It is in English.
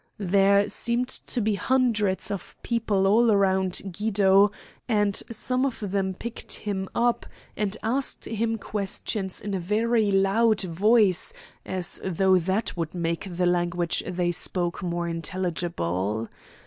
There seemed to be hundreds of people all around Guido, and some of them picked him up and asked him questions in a very loud voice, as though that would make the language they spoke more intelligible.